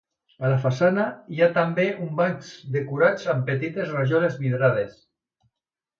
A la façana hi ha també uns bancs decorats amb petites rajoles vidrades.